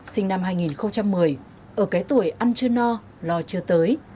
sinh năm hai nghìn một mươi ở cái tuổi ăn chưa no lo chưa tới